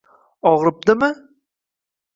Og‘ribdimi?